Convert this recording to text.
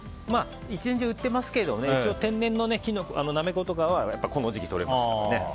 １年中売ってますけど天然の木のナメコとかはこの時期とれますね。